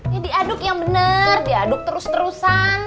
ya diaduk yang bener diaduk terus terusan